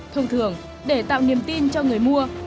thông thường để tạo niềm tin cho người mua